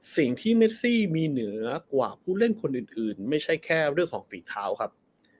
สิ่งที่เมซี่มีเหนือกว่าผู้เล่นคนอื่นไม่ใช่แค่เรื่องของฝีเท้าครับ